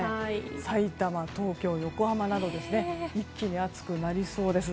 さいたま、東京、横浜など一気に暑くなりそうです。